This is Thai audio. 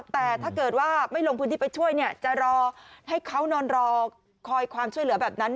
แต่ถ้าเกิดว่าไม่ลงพื้นที่ไปช่วยเนี่ยจะรอให้เขานอนรอคอยความช่วยเหลือแบบนั้น